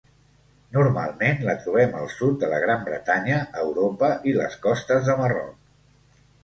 Normalment la trobem al sud de la Gran Bretanya, Europa i les costes de Marroc.